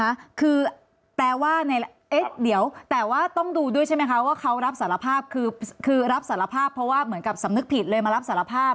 อาจารย์ค่ะแต่ว่าต้องดูด้วยใช่ไหมว่าเขารับสารภาพคือเกี่ยวกับสัมนึกผิดเลยทีมารับสารภาพ